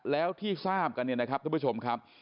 แล้วที่ทราบกันเนี่ยนะครับทุกผู้ชมครับ